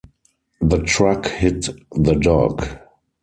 The truck hit the dog.